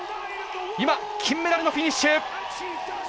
金メダルのフィニッシュ！